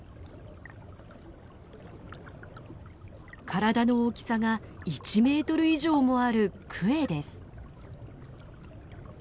体の大きさが１メートル以上もあるクエです。